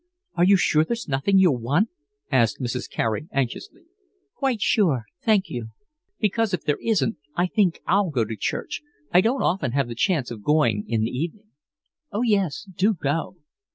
"Are you sure there's nothing you'll want?" asked Mrs. Carey anxiously. "Quite sure, thank you." "Because, if there isn't, I think I'll go to church. I don't often have the chance of going in the evening." "Oh yes, do go."